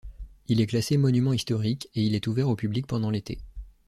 Il est classé monument historique et il est ouvert au public pendant l'été.